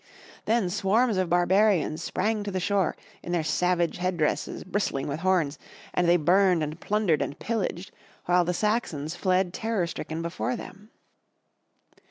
Then swarms of barbarians sprang to the shore, in their savage head dresses bristling with horns, and they burned and plundered and pillaged, while the Saxons fled terror stricken before them.